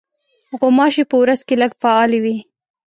غوماشې په ورځ کې لږ فعالې وي.